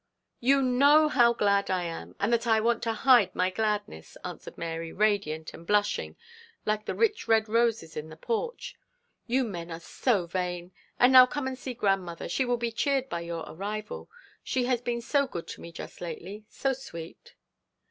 'You know how glad I am, and that I want to hide my gladness,' answered Mary, radiant and blushing like the rich red roses in the porch. 'You men are so vain. And now come and see grandmother, she will be cheered by your arrival. She has been so good to me just lately, so sweet.'